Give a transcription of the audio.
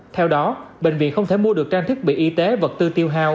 theo đó bệnh viện không thể mua được trang thức bị y tế vật tư tiêu hào